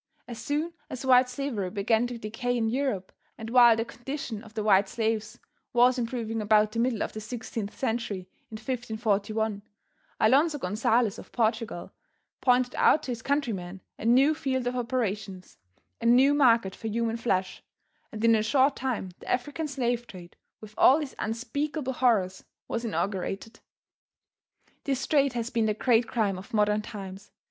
As soon as white slavery began to decay in Europe, and while the condition of the white slaves was improving about the middle of the 16th century in 1541, Alonzo Gonzales, of Portugal, pointed out to his countrymen a new field of operations, a new market for human flesh, and in a short time the African slave trade with all its unspeakable horrors was inaugurated. This trade has been the great crime of modern times.